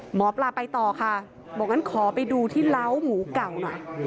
หมอปลาไปต่อค่ะบอกงั้นขอไปดูที่เล้าหมูเก่าหน่อย